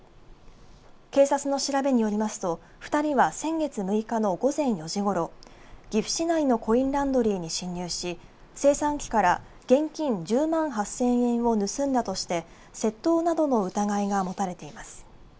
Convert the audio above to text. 警察の調べによりますと２人は先月６日の午前４時ごろ岐阜市内のコインランドリーに侵入し精算機から現金１０万８０００円を盗んだとして窃盗などの疑いが持たれています。